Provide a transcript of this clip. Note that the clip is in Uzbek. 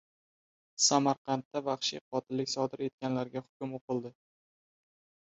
Samarqandda vahshiy qotillik sodir etganlarga hukm o‘qildi